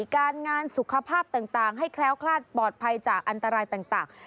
การงานสุขภาพต่างให้แคล้วคลาดปลอดภัยจากอันตรายต่าง